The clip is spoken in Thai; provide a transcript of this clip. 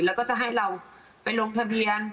แล้วก็จะให้เราไปลงทะเบียน๑๖๘๑๖๙๑๓๓๐